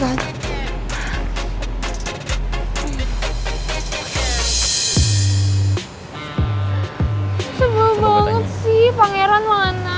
seru banget sih pangeran mana